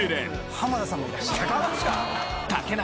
浜田さんもいらっしゃる。